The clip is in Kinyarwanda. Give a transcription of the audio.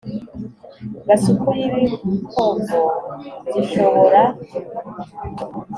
Gasuku y ibihogo Zishobora